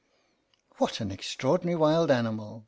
" What an extraordinary wild animal